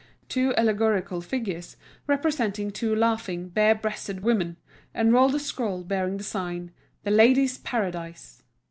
Two allegorical figures, representing two laughing, bare breasted women, unrolled the scroll bearing the sign, "The Ladies' Paradise."